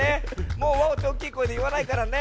もう「ワオ！」っておっきいこえでいわないからね。